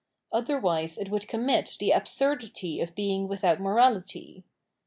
Otherwise it would commit the absurdity of being without morality.